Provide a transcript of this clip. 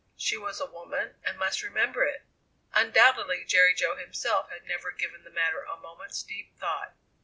She was a woman and must remember it. Undoubtedly Jerry Jo himself had never given the matter a moment's deep thought.